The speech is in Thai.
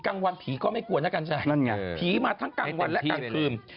กลางวันผีก็ไม่กลัวนะครับผีมาทั้งกลางวันและกลางคืน